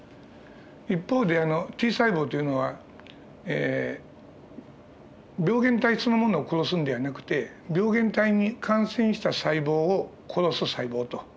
一方でＴ細胞っていうのは病原体そのものを殺すんではなくて病原体に感染した細胞を殺す細胞と。